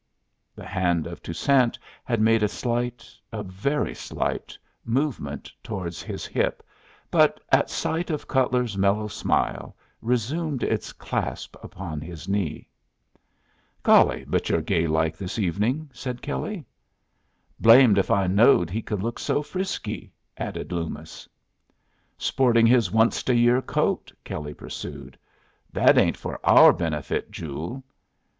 The hand of Toussaint had made a slight, a very slight, movement towards his hip, but at sight of Cutler's mellow smile resumed its clasp upon his knee. "Golly, but you're gay like this evening," said Kelley. "Blamed if I knowed he could look so frisky," added Loomis. "Sporting his onced a year coat," Kelley pursued. "That ain't for our benefit, Joole."